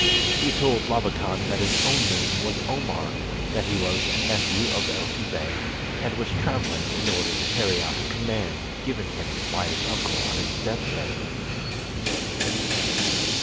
He told Labakan that his own name was Omar, that he was a nephew of Elfi Bey, and was travelling in order to carry out a command given him by his uncle on his death bed.